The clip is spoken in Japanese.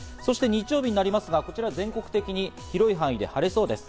日曜日になりますが、こちら全国的に広い範囲で晴れそうです。